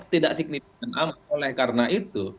tidak signifikan amat oleh karena itu